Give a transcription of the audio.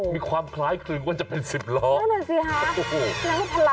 มีความคล้ายคลึงกว่าจะเป็น๑๐ล้อ